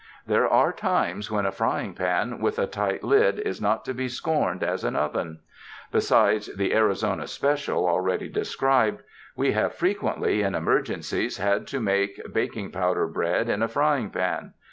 There are times when a frying pan with a tight lid is not to be scorned as an oven. Besides the "Arizona Special" already described, we have fre quently, in emergencies, had to make baking pow der bread in a frying pan.